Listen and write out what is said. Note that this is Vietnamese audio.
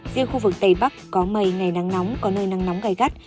riêng khu vực tây bắc có mây ngày nắng nóng có nơi nắng nóng gai gắt